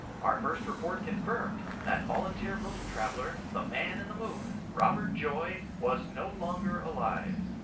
Our first report confirmed that volunteer moon traveller, the man in the moon, Robert Joy, was no longer alive.